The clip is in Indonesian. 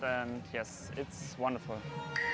dan ya ini sangat menyenangkan